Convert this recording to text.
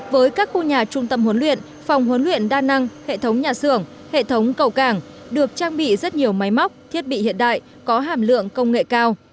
với các khu nhà trung tâm huấn luyện phòng huấn luyện đa năng hệ thống nhà xưởng hệ thống cầu cảng được trang bị rất nhiều máy móc thiết bị hiện đại có hàm lượng công nghệ cao